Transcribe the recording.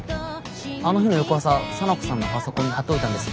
あの日の翌朝沙名子さんのパソコンに貼っておいたんです。